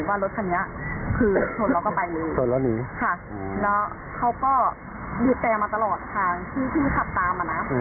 ว่ารถคันนี้คือชนแล้วก็ไปเลยชนแล้วหนีค่ะแล้วเขาก็บีบแต่มาตลอดทางที่ขับตามมานะ